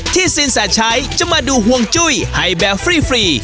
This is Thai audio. ที่สิงห์แสชัยจะมาดูฮวงจ้อยไฮแบบฟรีฟรี